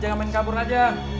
jangan main kabur aja